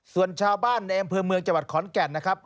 ส่วนชาวบ้านในอำเภอเมืองจังหวัดขอนแก่นนะครับ